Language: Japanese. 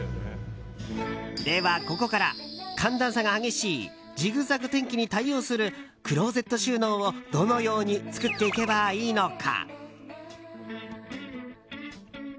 では、ここから寒暖差が激しいジグザグ天気に対応するクローゼット収納をどのように作っていけばいいのか。